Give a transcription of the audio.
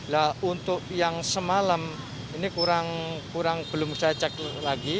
nah untuk yang semalam ini kurang belum saya cek lagi